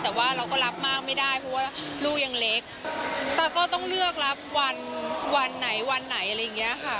แต่ว่าเราก็รับมากไม่ได้เพราะว่าลูกยังเล็กตาก็ต้องเลือกรับวันวันไหนวันไหนอะไรอย่างเงี้ยค่ะ